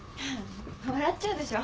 笑っちゃうでしょ？